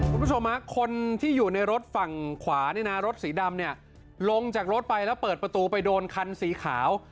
คุณผู้ชมฮะคนที่อยู่ในรถฝั่งขวาเนี่ยนะรถสีดำเนี่ยลงจากรถไปแล้วเปิดประตูไปโดนคันสีขาว